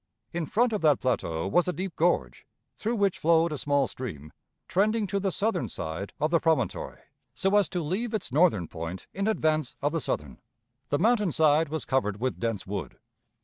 In front of that plateau was a deep gorge, through which flowed a small stream, trending to the southern side of the promontory, so as to leave its northern point in advance of the southern. The mountain side was covered with dense wood.